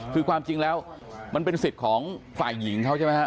คือความจริงแล้วมันเป็นสิทธิ์ของฝ่ายหญิงเขาใช่ไหมฮะ